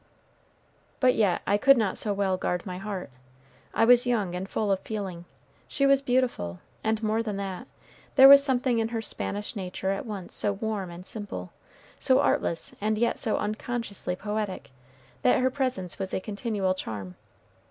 But yet I could not so well guard my heart. I was young and full of feeling. She was beautiful; and more than that, there was something in her Spanish nature at once so warm and simple, so artless and yet so unconsciously poetic, that her presence was a continual charm.